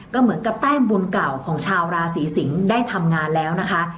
ก็เหมือนกับแต้มบุญเก่าของชาวราศีสิงศ์ได้ทำงานแล้วนะคะ